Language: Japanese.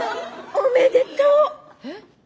おめでとう。